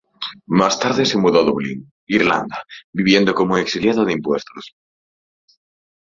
Más tarde se mudó a Dublín, Irlanda, viviendo como un exiliado de impuestos.